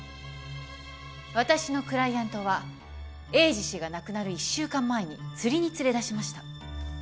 私のクライアントは栄治氏が亡くなる１週間前に釣りに連れ出しました。